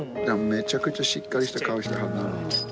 めちゃくちゃしっかりした顔してはるなあ。